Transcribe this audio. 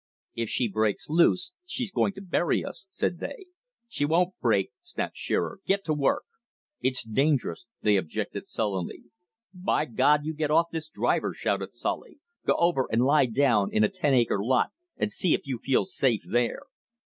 "If she breaks loose, she's going to bury us," said they. "She won't break," snapped Shearer, "get to work." "It's dangerous," they objected sullenly. "By God, you get off this driver," shouted Solly. "Go over and lie down in a ten acre lot, and see if you feel safe there!"